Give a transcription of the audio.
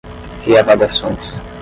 reavaliações